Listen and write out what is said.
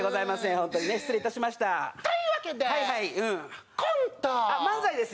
ホントに失礼いたしましたというわけでコント漫才ですよ